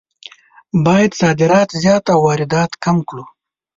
باید صادرات زیات او واردات کم کړو.